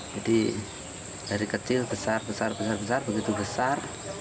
jadi dari kecil besar besar besar besar begitu besar